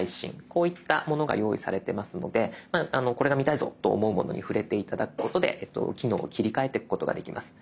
こういったものが用意されてますのでこれが見たいぞと思うものに触れて頂くことで機能を切り替えてくことができます。